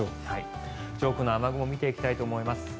上空の雨雲を見ていきたいと思います。